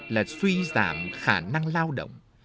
là suy giảm khả năng lao động